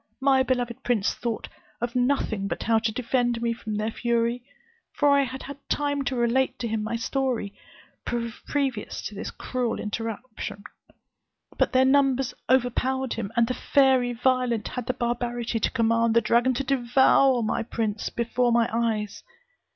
My beloved prince thought of nothing but how to defend me from their fury; for I had had time to relate to him my story, previous to this cruel interruption; but their numbers overpowered him, and the fairy Violent had the barbarity to command the dragon to devour my prince before my eyes.